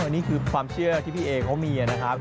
อันนี้คือความเชื่อที่พี่เอเขามีนะครับ